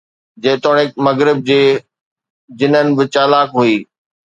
جيتوڻيڪ مغرب جي جنن به چالاڪ هئي